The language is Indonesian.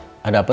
terima kasih pak